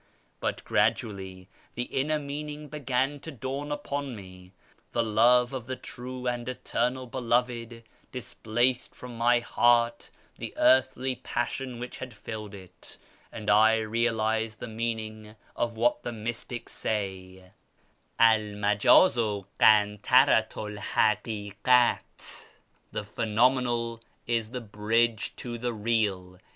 ' But gradually the inner meaning began to dawn upon me ; the love of the True and Eternal Beloved displaced from my heart the earthly passion which had filled it ; and I realised the meaning of what the mystics say, ' El Mcjdzu kantaratu 'l Hakikat '(' the Plienomenal is the Bridge to the Eeal